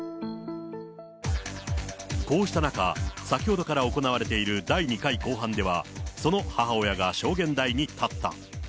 こうした中、先ほどから行われている第２回公判では、その母親が証言台に立った。